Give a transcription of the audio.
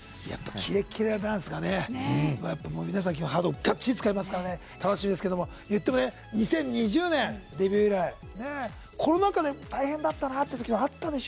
キレッキレのダンスが皆さんのハートをがっちりつかみますから楽しみですけど言っても２０２０年デビュー以来コロナ禍で大変だったなって時はあったでしょ？